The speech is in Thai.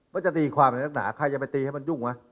ว่าจะตีความในนักหนาใครจะไปตีให้มันยุ่งวะ